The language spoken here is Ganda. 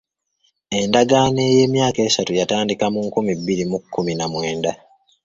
Endagaano ey'emyaka esatu yatandika mu nkumi bbiri mu kkumi na mwenda.